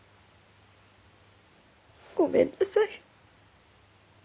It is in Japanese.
ごめんなさい。